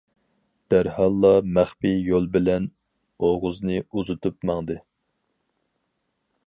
دەرھاللا مەخپىي يول بىلەن ئوغۇزنى ئۇزىتىپ ماڭدى.